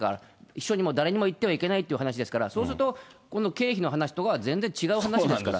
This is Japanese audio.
秘書にも誰にも言ってはいけないという話ですから、そうすると、今度、経費の話とかは、全然違う話ですから。